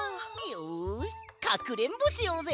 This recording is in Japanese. よしかくれんぼしようぜ！